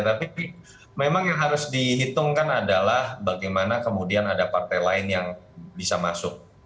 tapi memang yang harus dihitungkan adalah bagaimana kemudian ada partai lain yang bisa masuk